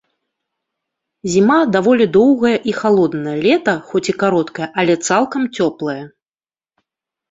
Зіма даволі доўгая і халодная, лета, хоць і кароткае, але цалкам цёплае.